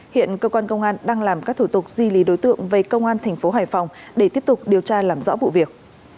hiện cơ quan công an đang làm các thủ tục di lý đối tượng về công an thành phố hải phòng để tiếp tục điều tra làm rõ vụ việc